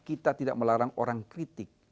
kita tidak melarang orang kritik